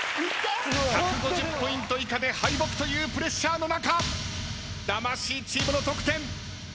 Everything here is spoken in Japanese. １５０ポイント以下で敗北というプレッシャーの中魂チームの得点。